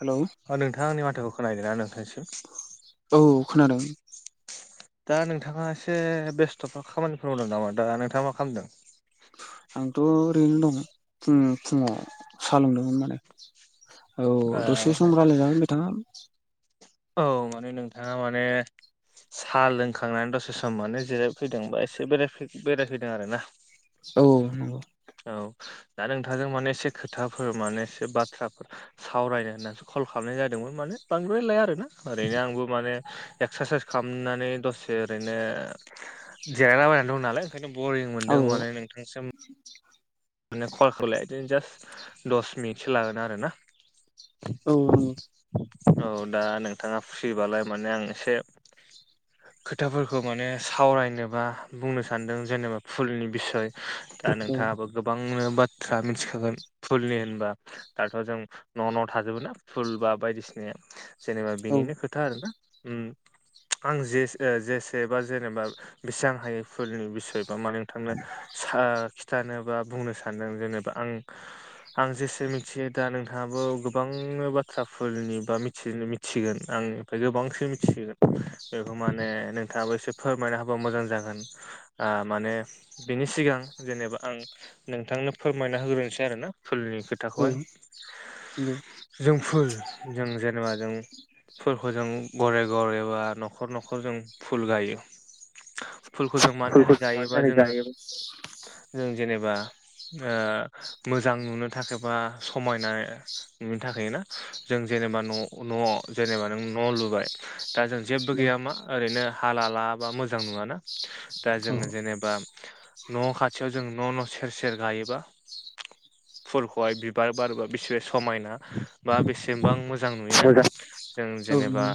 Hello अ नोंथाङा आंनि माथोखौ खोनदोंना नोंथांसिम? औ खोनादों। दा नोंथाङा एसे बेस्थ'फा खामानिफोर मावदों नामा दा नोंथाङा मा खालामदों? आंथ' ओरैनो दं फुं फुङाव सा लोंदोंमोन माने। औ दसे सम रायलायजागोन बिथाङा औ माने नोंथाङा माने सा लोंखांनानै दसे सम माने जिरायफैदों बा एसे बेरायफै बेरायफैदों आरो ना। औ नंगौ। औ दा नोंथांजों माने एसे खोथाफोर माने एसे बाथ्राफोर सावरायनो होननानैसो कल खालामनाय जादोंमोन माने बांद्राय लाया आरो ना। ओरैनो आंबो माने एक्सारसाइस खालामनानै दसे ओरैनो जिरायलाबायनानै दं नालाय ओंखायनो बरिं औ मोनदों माने नोंथांसिम माने [unintelligible] जास्ट दस मिनिटसो लागोन आरो ना। औ नंगौ। औ दा नोंथाङा फ्रिबालाय माने आं एसे खोथाफोरखौ माने सावरायनोबा बुंनो सानदों जेनेबा फुलनि बिसय। दा औ नोंथाङाबो गोबांनो बाथ्रा मिथिखागोन फुलनि होनबा। दाथ' जों न' न' थाजोबो ना फुल बा बायदिसिनाया जेनेबा औ बेनिनो खो था आरोना उम आं जे ओ जेसेबा जेनेबा बेसेबां हायो फुलनि बिसय बा मा नोंथांनो सा खिथानोबा बुंनो सानदों जेनेबा आं आं जेसे मिथियो दा नोंथाङाबो गोबां बाथ्राफोरनि बा मिथि [unintelligible] थिगोन आंनिफ्राय गोबांसिन मिथियो बेखौ माने नोंथाङाबो एसे फोरमायना होबा मोजां जागोन आ माने बिनि सिगां जेनेबा आं नोंथांनो फोरमायना होग्रोनोसै आरो ना फुलनि औ खोथाखौहाय। नंगौ जों फुल जों जेनेबा जों फोरखौ जों घरे घरे बा न'खर न'खर जों फुल गायो। फुलखौ जों मानि फुलखौ थाखाय मानि गायोबा थाखाय जोङो गायोमोन जों जेनेबा मोजां नुनो थाखाय बा समायना बिनि थाखाय ना जों जेनेबा न' न' जेनेबा नों न' लुबाय दा जों जेबो गैयामा ओरैनो हाला लाबा मोजां नङाना दा जों औ औ जेनेबा न' खाथियाव जों न' न' सेर सेर गायोबा फोरखौहाय बिबार बारबा बेसेबा समायना बा बेसेबां मोजां मोजां नुयोना जों औ जेनेबा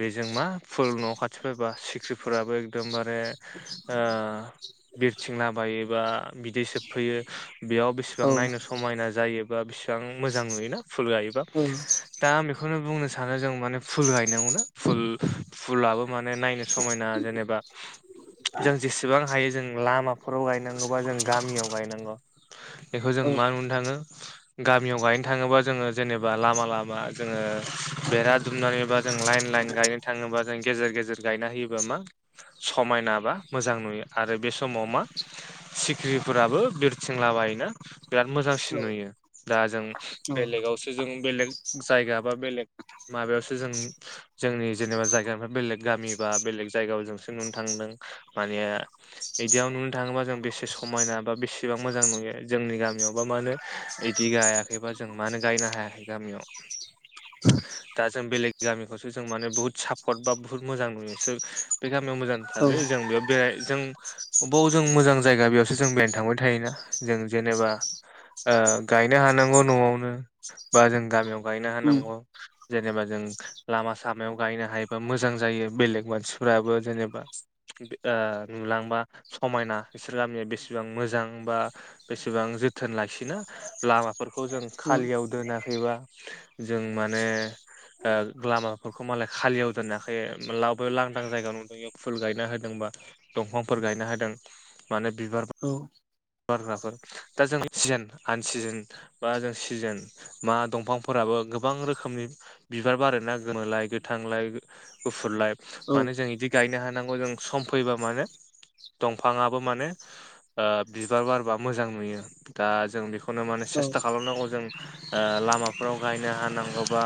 बेजों मा फुल न' खाथि फैबा सिख्रिफोराबो एकदमबारे ओ बिरथिंला बायोबा बिदै सोब फैयो बेयाव बेसेबां नायनो स समायना जायोबा बिसिबां मोजां नुयोना फुल गायोबा औ दा बेखौनो बुंनो सानो जों माने फुल गायनांगौना फुल फुलाबो माने नायनो समायना जेनेबा जों जेसेबां हायो जों लामाफोराव गायनांगौ जों गामियाव गायनांगौ बेखौ जों औ मा नुनो थाङो गामियाव गायनो थाङोबा जोङो जेनेबा लामा लामा जोङो बेरा दुमनानैबा जों लाइन लाइन गायनो थाङोबा जों गेजेर गेजेर गायना होयोबा मा। समायना बा मोजां नुयो आरो बे समाव मा। सिखिरिफोराबो बिरथिंलाबायोना बिराद मोजांसिन नुयो दा जों बेलेगाव जों बेलेग जायगा बा बेलेग माबायावसो जों जोंनि जेनेबा जायगानिफ्राय बेलेग गामि बा बेलेग जायगायाव जोंसो नुनो थांदों माने बिदियाव नुनो थाङोबा जों बेसे समायना बा बेसेबां मोजां नुयो जोंनि गामियावबा मा होनो बिदि गाया बेबा जों मानो गायनो हायाखै गामियाव दा जों बेलेग गामिखौसो जों माने बुहुत सापर्ट बा बुहुत मोजां नुयो बे गामियाव मोजांथारलै जों बेयाव बेराय जों बबाव जों मोजां जायगा बेयावसो जों बेनो थांबाय थायोना जों जेनेबा गायनो हानांगौ न'आवनो बा जों गामियाव गायनो उम हानांगौ जेनेबा जों लामा सामायाव गायनो हायोबा मोजां जायो बेलेग मानसिफोराबो जेनेबा नुलांबा समायना बिसोर गामिया बेसेबां मोजां बा बेसेबां जोथोन लाखिना लामा बेफोरखौ जों उम खालियाव दोनाखैबा जों माने लामाफोरखौ मालाय खालियाव दोनाखै लाबायाव लांदां जायगायाव नुदों बेयाव फुल गायना होदोंबा दंफांफोर गायना होदों माने बिबार औ बारग्राफोर दा जों सिजोन आन सिजोन बा जों सिजोन मा दंफांफोराबो गोबां रोखोमनि बिबार बारोना गोनोलाय गोथांलाय गुफुरलाइ औ मानोे जों बिदि गायनो हानांगौ जों सम फैबा मानो दंफाङआबो माने ओ बिबार बारबा मोजां नुयो दा जों बेखौनो माने औ सेस्था खालामनांगौ जों लामाफोराव गायनो हानांगौबा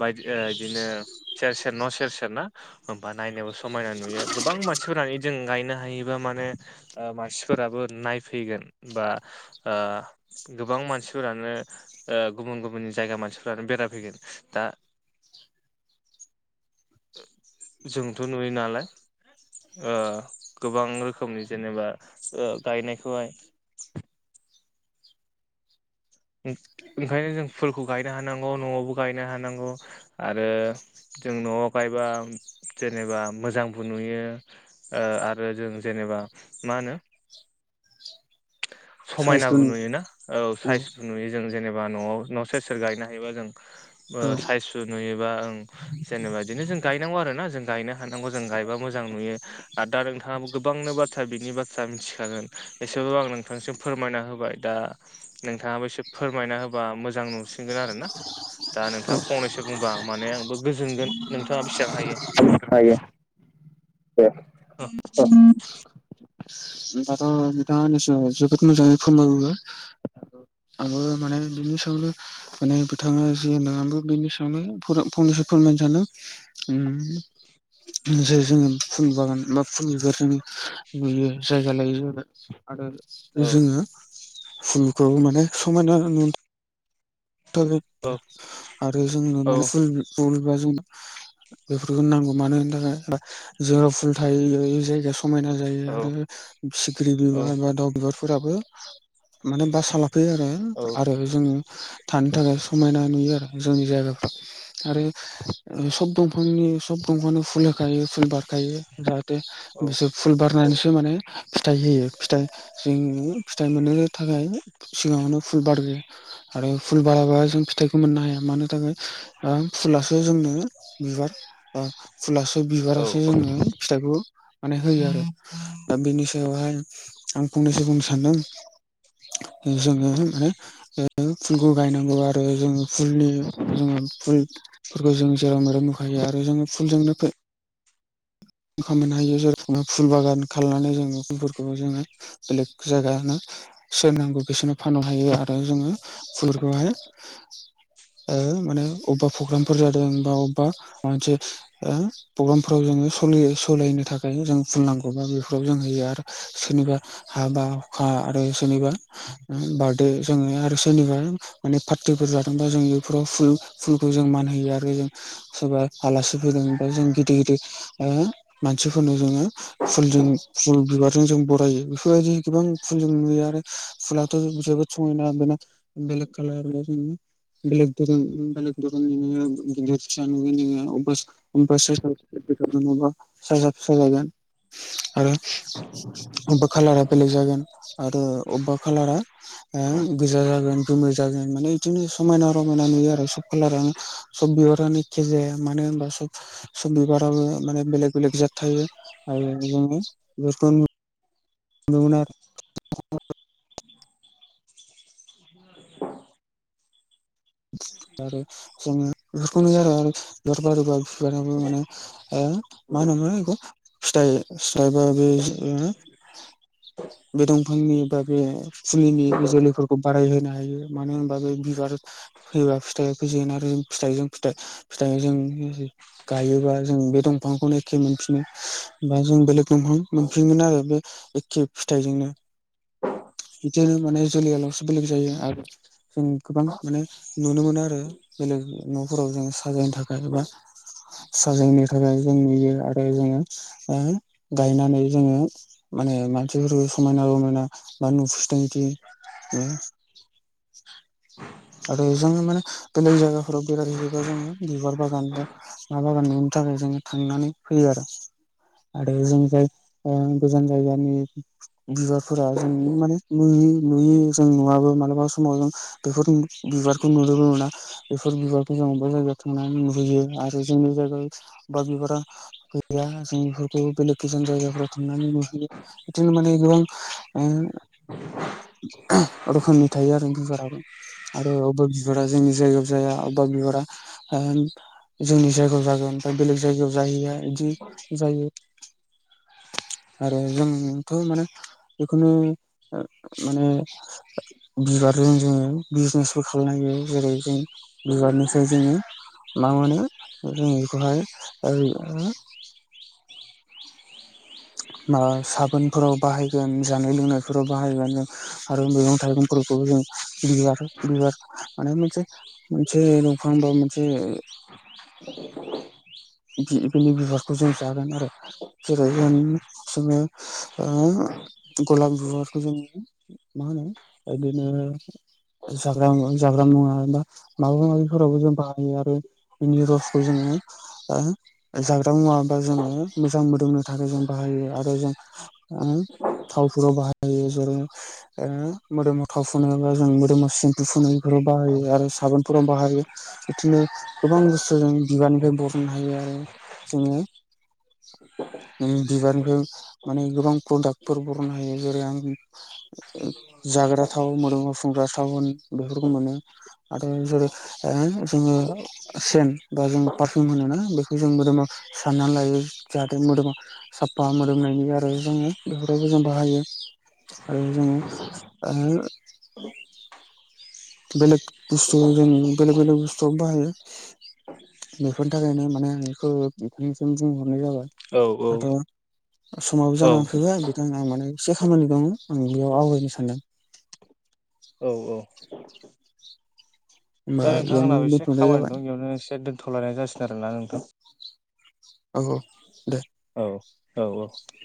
बायदि बिदिनो सेर सेर न' सेर सेर ना होमबा नायनोबो समायना नुयो गोबां मानसिफोरानो जों गायनो हायोबा माने मानसिफोराबो नायफैगोन बा ओ गोबां मानसिफोरानो गुबुन गुबुननि जायगा मानसिफोरानो बेरायफैगोन दा जोंथ' नुयो नालाय गोबां रोखोमनि जेनेबा गायनायखौहाय ओंखायनो जों फुलखौ गायनो हानांगौ न'आवबो गायनो हानांगौ आरो। जों न'आव गायबा जेनेबा मोजांबो नुयो। आरो जों जेनेबा मा होनो समायनाबो साइसखौनो नुयोना औ साइज नुयो जों जेबा न'आव न' सेर सेरफोर गायनो हायोबा जों औ साइस नुयोबा ओं जेनेबा बिदिनो जों गायनांगौ आरो ना जों गायनो हानांगौ जों गायबा मोजां नुयो आरो दा नोंथाङाबो गोबांनो बाथ बिनि बाथ्रा मिथिखागोन एसेबो आं नोंथांसिम फोरमायना होबाय दा नोंथाङाबो एसे फोरमायना होबा मोजां नुसिनगोन आरो ना दा नोंथाङा फंनैसो बुंबा माने आंबो गोजोनगोन नोंथाङा बेसेबां हायो [inaudible] नोंथांङा थ' नोंथांङा जोबोद मोजाङै फोरबो आङ माने नोंनि सायावनो माने बिथाङा जि होनदोंबो बेनि सायावनो फंनैसो फोरमायनो सानो जे जोङो फुल बागान बा फुल बेफोर जों नुयो जायगा लायै जायगा आरो औ जोङो फुलखौ माने समायना नु औ [unintelligible] आरो जों औ मान फुल बा जों बेफोरखौ नांगौ मानो होन थाखाय जोंहा फुल थायो [unintelligible] जायगा समायना जायो औ आरो सिग्रि औ बिबार बा दाउ बिबारफोराबो मानो बासालाफैयो आरो औ आरो जोंनि थानो थाखाय समायना नुयो आरो जोंनि जायगाफ्रा आरो सब दंफांनि सब दंफांनि फुल होखायो फुल बारखायो जाहाथे औ बिसोर फुल बारनानैसो माने फिथाइ होयो फिथाइ जोंङो फिथाइ मोननो थाखाय सिगांआवनो फुल बारगो आरो फुल बाराबा जों फिथाइखौ मोननो हाया मानो थाखाय आं फुलासो जोंनो बिबार ओ फुलासो बिबारासो जोङनो फिथाइखौ माने होयो आरो दा बेनि सायावहाय आं फंनैसो बुंनो सान्दों जोङो माने फुलखौ गायनांगौ आरो जोङो फुलनि जोङो फुलफोरखौ जों जेराव मेरावनुखायो आरो जोङो फुलजोंनो ओंखाम मोननो हायो जायखौ फुल बागान खालामनानै जोङो फुलफोरखौबो जोङो बेलेग जायगानो सेर नांगौ बिसोरनो फाननो हायो आरो जोङो फुलखौहाय माने अबेबा प्रग्रामफोर जादों बा अबेबा मोनसे ओ प्रग्रामफोराव जोङो सोलि सलायनो थाखाय जों फुननांगौ बा बेफोराव जों होयो आरो सोरनिबा हाबा हुखा आरो सोरनिबा बार्डे जोङो आरो सोरनिबा माने पार्टि्फोर जादोंबा जों बेफोराव फुल फुलखौ जों मान होयो आरो जों सोरबा आलासि फैदों बा जों गिदिर गिदिर ओ मानसिफोरनो जोङो फुलजों फुल बिबारजों जों बरायो बेफोरबायदि गोबां फुल ज नुयो आरो फुलाथ' जोबोद सना [unintelligible] बेलड खालार बेलग दं बेल दरानो सोरोबा साजा साजागोन आरो अबेबा खालारा बेलेग जागोन आरो अबेबा खालारा ओ गोजा जागोन गोमो जागोन माने बिदिनो समायना रमायना नुयो आरो सब कलारानो सब बिबारानो एखे जाया मानो होनबा सब बिबार बाबोमाने बेलेग बेलेक जाद थायो आरो जोङो बेफोरखौ नना [unintelligible] [inaudible] आरो जोङो बेखौनो आरो आरो बिबार बारोबा बिबाराबो माने मा होनोमोन बेखौ फिथाइ फिथाइबा बे बि दंफांनि ओ बे फुलिनि जोलैफोरखौ बारायहोनो हायो मानो होनबा बे बिबार फैयोबा फिथाइ फैजिगोन आरो फिथाइजों फिथाइ ज गायोबा जों बे दंफांखौनो एखे मोनफिनो बा जों बेलेग दंफां मोनफिनगोन आरो बे एखे फिथाइजोंनो बिदिनो माने जोलैयालसो बेलेग जायो आरो जों गोबां माने नुनो मोनो आरो बेलेग न'फोराव जोंङ साजायनो थाखाय एबा साजायनो थाखाय जों नुयो आरो जोङो गायनानै जोङो माने मानसिफोरखौ समायना रमायना बानु फुस्थदि आरो जोङो माने बेलेग जायगाफोराव बेरायहैयोबा जोङो बिबार बागान बा ना बागान नुनो थाखाय जोङो थांनानै फैयो आरो। आरो जों जाय ओ गोजान जायगानि बिबारफोरा जों माने नुय नुयै जों नुवाबो मालाबा समाव जों बेफोर बिबारखौ नु लोगो मोना बेफोर बिबारखौ जों अबेबा जायगायाव थांनानै नुहैयो आरो जोंनि जायगायाव बा बिबारा गैया जों बेफोरखौ बेलेग गोजान जायगाफोराव थांनानै नुहैयो। बिदिनो माने गोबां ओ रोखोमनि थायो आरो बिबाराबो आरो अबेबा बिबारा जोंनि जायगायाव जाया अबेबा बिरा ओम जोंनि जायगायाव जागोन ओमफ्राय बेलेग जायगायाव जाहैया बिदि जायो। [inaudible] आरो जोंथ' माने बेखौनो ओ माने बिबारजों जोङो बिजनेसफोर खालामनाय जायो जेरै जों बिबारनिफ्राय जोङो मा मोनो जों बेखौहाय ओै ओ मा साबोनफोराव बाहायगोन जानाय लोंनायफोराव बाहायगोन आरो मैगं थाइगंफोरखौबो जों बिबार बिबार माने मोनसे मोनसे दंफां बा मोनसे [inaudible] बि बेनि बिबारखौ जों जागोन आरो। जेरै होन जोङो ओ गलाब बिबारखौ जोङो मा होनो ओ बिदिनो जाग्रा जाग्रा मुवा एबा माबा माबिफोरावबो जों बाहायो आरो बिनि रसखौ जोङो ओ जाग्रा मुवाबा जोङो मोजां मोदोमनो थाखाय जों बाहायो आरो जों ओ थावफोरबो बाहायो जेरै ओ मोदोमाव थाव फुनो बा जों मोदोमाव सिम्फु फुनो बेफोराव बाहायो। आरो साबोनफोराव बाहायो बिदिनो गोबां बुस्थु जों बिबारनिफ्राय बस सनो हायो आरो जोङो [inaudible] ओं बिबारनिफ्राय माने गोबां प्रडाक्टफोर बरनो हायो जेरै आङो जाग्रा थाव मोदोमावफुंग्रा थाव होन बेफोरखौ मोनो आरो जेरै ओ जोङो सेन बा जों पार पिउम होनोना बेखौ जों मोदोमाव सारनानै लायो जाहाथे मोदोमाव साफा मोदोमनायनि आरो जोङो बेफोरावबो जों बाहायो। आरो जोङो ओ बेलेग बुस्थु जोङ बेलेग बेलेग बुस्थुआव बाहायो। बेफोरनि थाखायनो माने एखौ नोंथांनि सिम बेखौ बिथांनिसिम बुंहरनाय जाबाय। दाथ' समाबो औ जानानै फैबो बिथांनो आं माने एसे खामानि दङ आं बेयाव आवगायनो सानदों। औ औ होमबा दा बेयावनो नोंथांनाबो एसे दोनथ'नाय खामानि जाबाय दं बेयावनो एसे दोन्थ'लायनाय जासिगोन आरोना नोंथां। औ औ दे औ औ औ